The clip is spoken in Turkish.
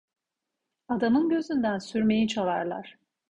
Adamın gözünden sürmeyi çalarlar.